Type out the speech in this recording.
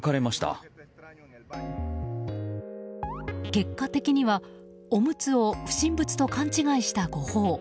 結果的には、おむつを不審物と勘違いした誤報。